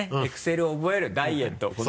エクセル覚えるダイエット。